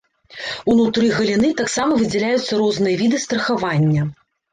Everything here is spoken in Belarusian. Унутры галіны таксама выдзяляюцца розныя віды страхавання.